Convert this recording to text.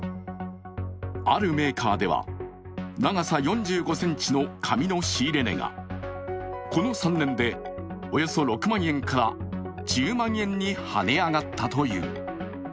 あるメーカーでは、長さ４５ｃｍの髪の仕入れ値がこの３年でおよそ６万円から１０万円にはね上がったという。